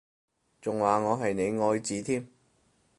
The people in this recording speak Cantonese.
仲話我係你愛子添？